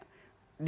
di dalam hati dia